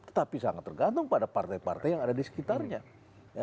tetapi sangat tergantung pada partai partai yang ada di sekitarnya